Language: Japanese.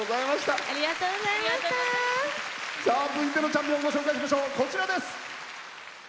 続いてのチャンピオンご紹介しましょう。